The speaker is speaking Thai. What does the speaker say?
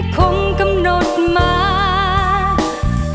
ฉันคงกำหนดมา